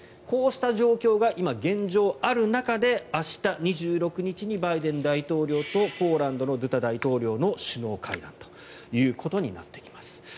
こうした状況が今、現状ある中で明日２６日にバイデン大統領とポーランドのドゥダ大統領の首脳会談となってきます。